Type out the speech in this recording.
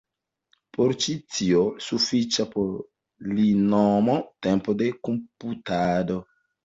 Por ĉi tio sufiĉa polinoma tempo de komputado.